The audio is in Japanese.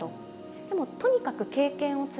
でもとにかく経験を積みたい。